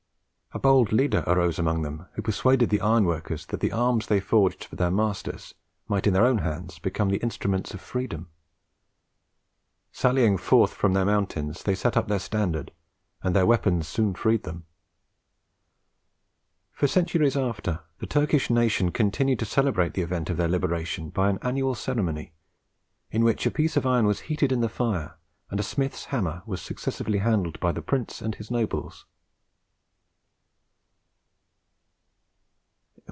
A bold leader arose among them, who persuaded the ironworkers that the arms which they forged for their masters might in their own hands become the instruments of freedom. Sallying forth from their mountains, they set up their standard, and their weapons soon freed them. For centuries after, the Turkish nation continued to celebrate the event of their liberation by an annual ceremony, in which a piece of iron was heated in the fire, and a smith's hammer was successively handled by the prince and his nobles.